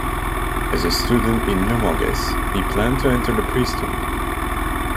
As a student in Limoges, he planned to enter the priesthood.